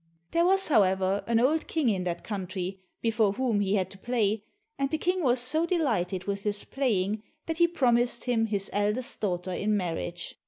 There was however, an old King in that country, before whom he had to play, and the King was so delighted with his playing, that he promised him his eldest daughter in marriage.